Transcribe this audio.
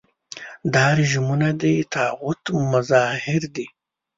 دا رژیمونه د طاغوت مظاهر دي.